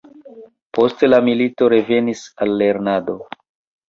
Post la milito revenis al lernado.